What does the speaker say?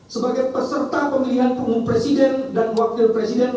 sebagai peserta pemilihan umum presiden dan wakil presiden